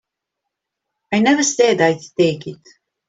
I never said I'd take it.